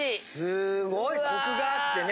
すごいコクがあってね。